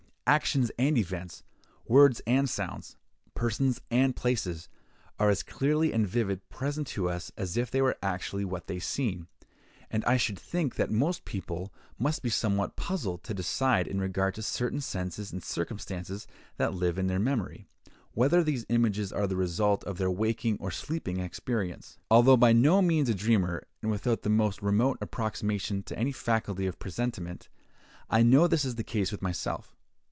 Actions and events, words and sounds, persons and places, are as clearly and vividly present to us as if they were actually what they seem; and I should think that most people must be somewhat puzzled to decide in regard to certain scenes and circumstances that live in their memory, whether the images are the result of their waking or sleeping experience. Although by no means a dreamer, and without the most remote approximation to any faculty of presentiment, I know this is the case with myself.